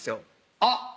あっ